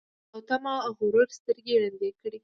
حرص او تمه او غرور سترګي ړندې کړي